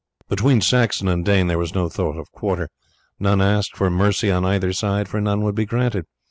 Between Saxon and Dane there was no thought of quarter; none asked for mercy on either side, for none would be granted.